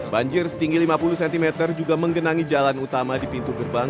banjir setinggi lima puluh cm juga menggenangi jalan utama di pintu gerbang